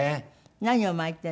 何を巻いているの？